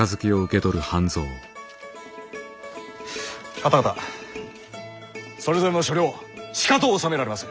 方々それぞれの所領しかと治められませ！